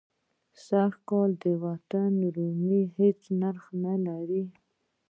سږ کال د وطن رومي هېڅ نرخ نه لري.